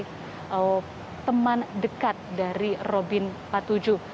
dari teman dekat dari robin patuju